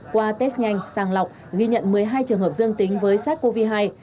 qua test nhanh sàng lọc ghi nhận một mươi hai trường hợp dương tính với sars cov hai